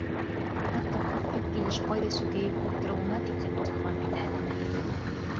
Хатта күҙһеҙ килеш ҡайҙа сүкәйеп ултырыуына тиклем тойған бит әле.